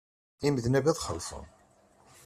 Imednab ad xellṣen.